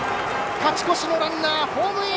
勝ち越しのランナー、ホームイン。